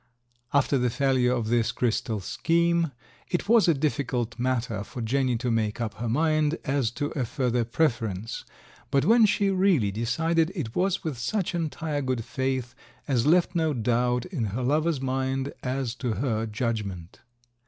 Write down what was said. After the failure of this crystal scheme, it was a difficult matter for Jenny to make up her mind as to a further preference, but when she really decided it was with such entire good faith as left no doubt in her lover's mind as to her judgment.